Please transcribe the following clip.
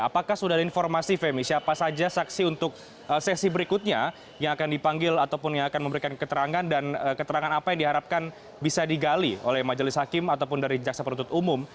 apakah sudah ada informasi femi siapa saja saksi untuk sesi berikutnya yang akan dipanggil ataupun yang akan memberikan keterangan dan keterangan apa yang diharapkan bisa digali oleh majelis hakim ataupun dari jaksa penuntut umum